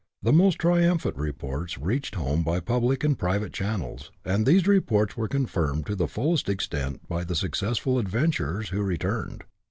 The most triumphant reports reached liome by public and private channels, and these reports were confirmed to the fullest extent by the successful adventurers who returned.